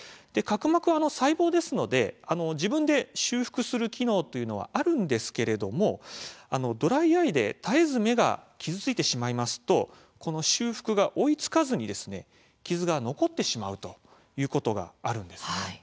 角膜は細胞ですので自分で修復する機能というのはあるんですけれどもドライアイで絶えず目が傷ついてしまいますとこの修復が追いつかずに傷が残ってしまうということがあるんです。